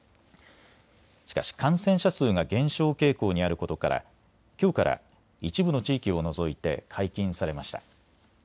しかし感染者数が減少傾向にあることからきょうから一部の地域を除いて解禁されました。